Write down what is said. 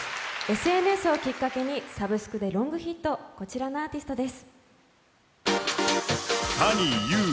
ＳＮＳをきっかけにサブスクでロングヒット、こちらのアーティストです。